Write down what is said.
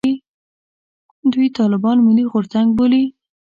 دوی طالبان «ملي غورځنګ» بولي.